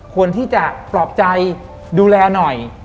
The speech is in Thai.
พี่จ้ะปลอบใจดูแลหน่อย